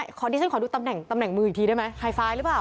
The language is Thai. อยู่ตรงนั้นทำแหน่งมืออีกทีได้ไหมไฮไฟล์หรือเปล่า